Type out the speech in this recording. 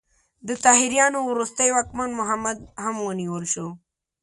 د طاهریانو وروستی واکمن محمد هم ونیول شو.